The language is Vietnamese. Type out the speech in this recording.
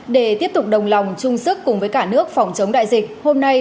để tiếp tục đồng lòng chung sức cùng với cả nước phòng chống đại dịch hôm nay